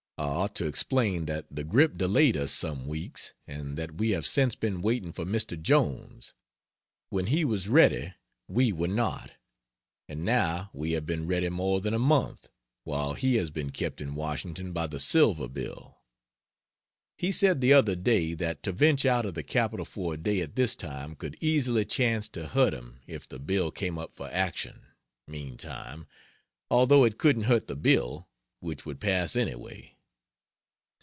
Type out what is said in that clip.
I ought to explain that the grippe delayed us some weeks, and that we have since been waiting for Mr. Jones. When he was ready, we were not; and now we have been ready more than a month, while he has been kept in Washington by the Silver bill. He said the other day that to venture out of the Capitol for a day at this time could easily chance to hurt him if the bill came up for action, meantime, although it couldn't hurt the bill, which would pass anyway.